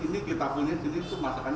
ini kita punya masakannya vegetarian